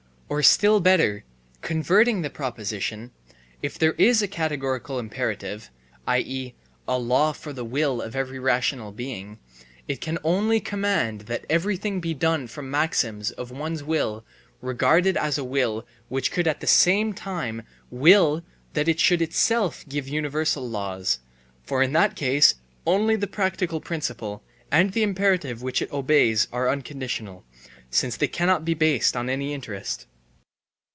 Or still better, converting the proposition, if there is a categorical imperative (i.e., a law for the will of every rational being), it can only command that everything be done from maxims of one's will regarded as a will which could at the same time will that it should itself give universal laws, for in that case only the practical principle and the imperative which it obeys are unconditional, since they cannot be based on any interest.